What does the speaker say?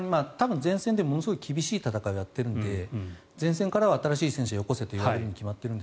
全線で厳しい戦いをやっているので前線からは新しい戦車をよこせと言われるに決まっている。